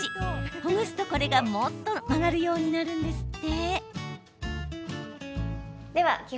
ほぐすと、これがもっと曲がるようになるんですって。